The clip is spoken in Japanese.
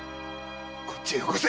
こっちへよこせ！